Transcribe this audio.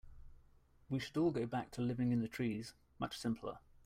We should all go back to living in the trees, much simpler.